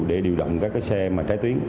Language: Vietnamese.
để điều động các xe trái tuyến